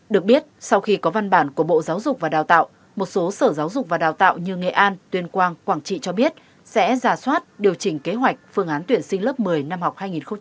được biết sau khi có văn bản của bộ giáo dục và đào tạo một số sở giáo dục và đào tạo như nghệ an tuyên quang quảng trị cho biết sẽ giả soát điều chỉnh kế hoạch phương án tuyển sinh lớp một mươi năm học hai nghìn hai mươi hai nghìn hai mươi